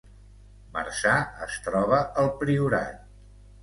Marçà es troba al Priorat